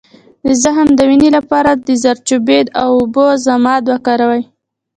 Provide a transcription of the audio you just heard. د زخم د وینې لپاره د زردچوبې او اوبو ضماد وکاروئ